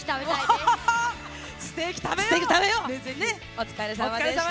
お疲れさまでした。